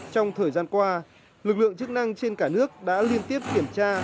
trong thời gian qua lực lượng chức năng trên cả nước đã liên tiếp kiểm tra